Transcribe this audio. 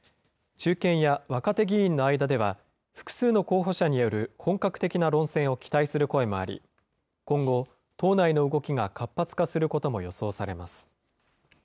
中堅や若手議員の間では、複数の候補者による本格的な論戦を期待する声もあり、今後、党内の動きが活発化することも予想されます。